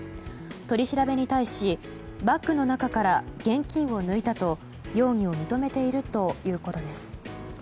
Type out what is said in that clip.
取り調べに対しバッグの中から現金を抜いたと容疑を認めているということです。